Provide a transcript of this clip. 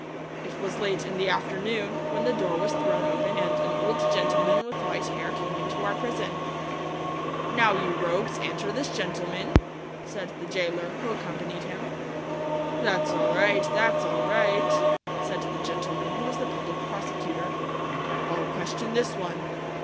It was late in the afternoon when the door was thrown open and an old gentleman with white hair came into our prison. "Now, you rogues, answer this gentleman," said the jailer, who accompanied him. "That's all right, that's all right," said the gentleman, who was the public prosecutor, "I'll question this one."